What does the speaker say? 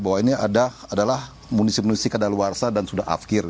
bahwa ini adalah munisi munisi kadar luar sana dan sudah afkir